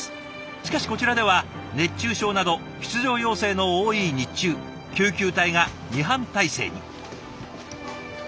しかしこちらでは熱中症など出場要請の多い日中救急隊が２班体制に。